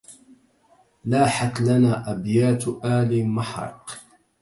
ولاحت لنا أبيات آل محرق